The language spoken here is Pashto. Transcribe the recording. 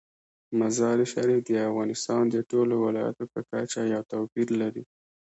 مزارشریف د افغانستان د ټولو ولایاتو په کچه یو توپیر لري.